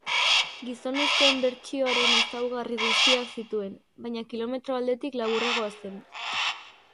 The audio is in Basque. Gizonezkoen bertsioaren ezaugarri guztiak zituen, baina kilometro aldetik laburragoa zen.